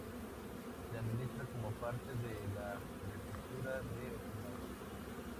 Se administra como parte de la Prefectura de Okinawa.